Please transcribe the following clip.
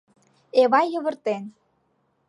Эвай йывыртен: